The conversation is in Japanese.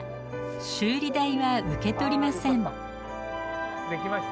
修理代は受け取りません。